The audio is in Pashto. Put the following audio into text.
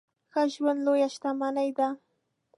ښه ژوند لويه شتمني ده.